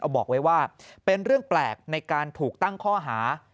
บอกไว้ว่าเป็นเรื่องแปลกในการถูกตั้งข้อหา